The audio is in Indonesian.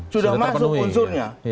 sudah masuk unsurnya